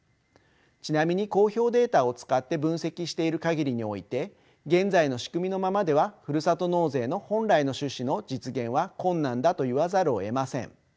ちなみに公表データを使って分析している限りにおいて現在の仕組みのままではふるさと納税の本来の趣旨の実現は困難だと言わざるをえません。